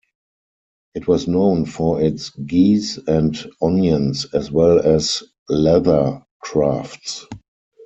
It was known for its geese and onions as well as leather crafts.